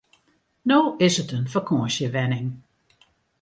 No is it in fakânsjewenning.